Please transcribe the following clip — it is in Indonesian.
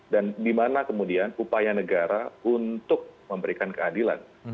dan di mana kemudian upaya negara untuk memberikan keadilan